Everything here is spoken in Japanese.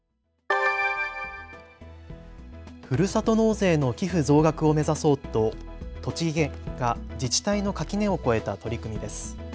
ふるさと納税の寄付増額を目指そうと栃木県が自治体の垣根を越えた取り組みです。